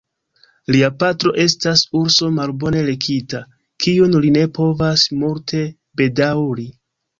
Lia patro estas urso malbone lekita, kiun li ne povas multe bedaŭri.